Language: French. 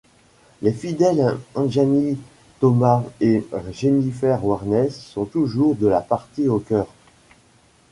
Les fidèles Anjani Thomas et Jennifer Warnes sont toujours de la partie aux chœurs.